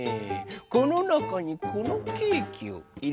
このなかにこのケーキをいれます。